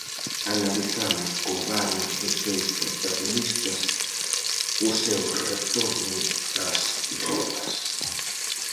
Analizamos con varios dos seus protagonistas o seu retorno ás rúas.